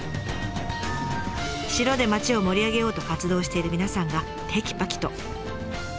城で町を盛り上げようと活動している皆さんがてきぱきと。